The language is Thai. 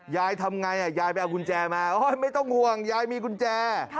ยายทำไงยายไปเอากุญแจมาไม่ต้องห่วงยายมีกุญแจ